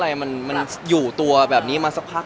ไม่ครับคือเหมือนกระเพาะมันคงอยู่ตัวแบบนี้มาสักพัก